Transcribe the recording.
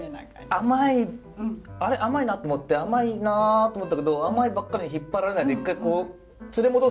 甘いあれ甘いなと思って甘いなあと思ったけど甘いばっかりに引っ張られないで一回こう連れ戻すんですよね